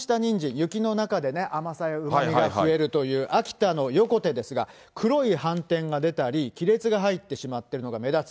雪の中で甘みが増えるという秋田の横手ですが、黒い斑点が出たり、亀裂が入ってしまっているのが目立つ。